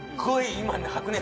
今ね